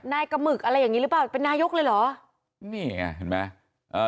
นายกะหมึกอะไรอย่างงี้หรือเปล่าเป็นนายกเลยเหรอนี่ไงเห็นไหมอ่า